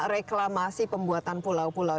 reklamasi pembuatan pulau pulau